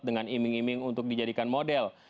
dengan iming iming untuk dijadikan model